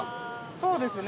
そうですね。